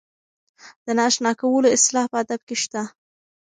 د نااشنا کولو اصطلاح په ادب کې شته.